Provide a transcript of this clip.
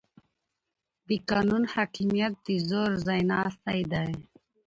د قانون حاکمیت د زور ځای ناستی دی